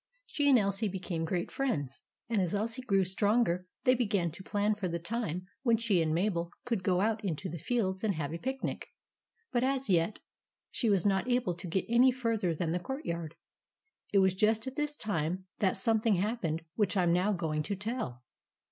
She and Elsie became great friends; and as Elsie grew stronger they began to plan for the time when she and Mabel could go out into the fields and have a picnic; but as yet she was not able to get any further than the courtyard. It was just at this time that something happened which I am now going to tell.